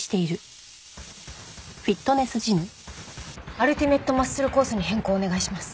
アルティメット・マッスルコースに変更お願いします。